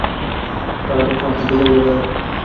তার তো ফ্রান্সের জাদুঘরে থাকার কথা।